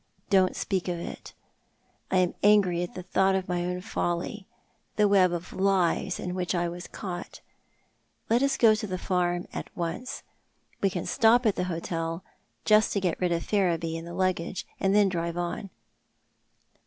Don't speak of it. I am angry at the thought of my own folly— the web of lies in which I was caught. Let us go to the farm at once. We can stop at the hotel, just to got rid of Ferriby and the luggage, and then drive on."